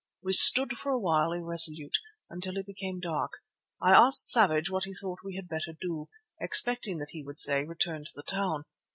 We stood for a while irresolute, until it became quite dark. I asked Savage what he thought we had better do, expecting that he would say 'Return to the town.